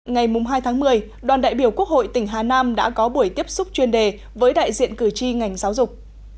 ngày hai tháng một mươi đoàn đại biểu quốc hội tỉnh hà nam đã có buổi tiếp xúc chuyên đề với đại diện cử tri ngành giáo dục